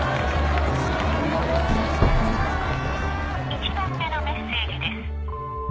１番目のメッセージです